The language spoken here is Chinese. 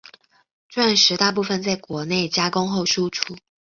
钻石大部份在国内加工后输出。